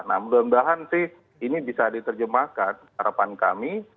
nah mudah mudahan sih ini bisa diterjemahkan harapan kami